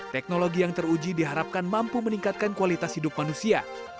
teknologi yang teruji diharapkan mampu meningkatkan kualitas hidup manusia